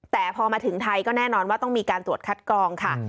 แต่พอมาถึงไทยก็แน่นอนว่าต้องมีการตรวจคัดกรองค่ะ